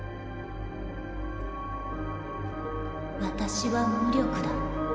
私は無力だ。